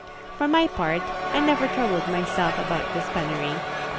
For my part, I never troubled myself about this penury.